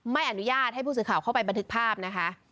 ไม่อนุญาตให้ผู้สื่อข่าวเข้าไปบันทึกภาพนะคะ